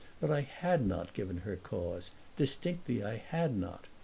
But I had not given her cause distinctly I had not.